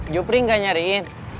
jupri gak nyariin